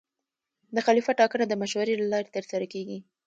د خلیفه ټاکنه د مشورې له لارې ترسره کېږي.